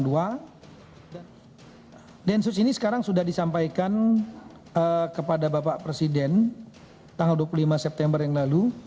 densus ini sekarang sudah disampaikan kepada bapak presiden tanggal dua puluh lima september yang lalu